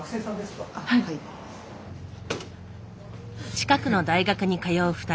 近くの大学に通う２人。